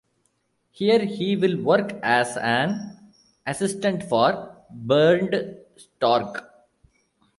Here he will work as an assistant for Bernd Storck.